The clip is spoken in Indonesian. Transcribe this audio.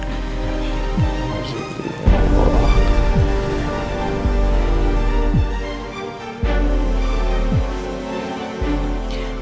saya juga nggak tahu